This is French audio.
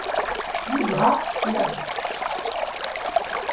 Le gras c’est la vie.